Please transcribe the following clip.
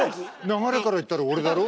流れから言ったら俺だろ？